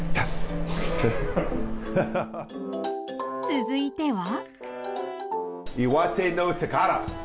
続いては。